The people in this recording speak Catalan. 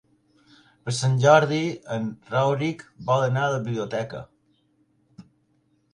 Per Sant Jordi en Rauric vol anar a la biblioteca.